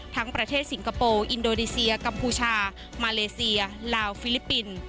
ประเทศสิงคโปร์อินโดนีเซียกัมพูชามาเลเซียลาวฟิลิปปินส์